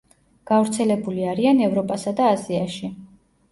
გავრცელებული არიან ევროპასა და აზიაში.